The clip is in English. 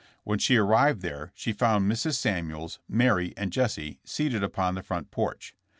When she arrived there she found Mrs. Samuels, Mary and Jesse seated upon the front porch.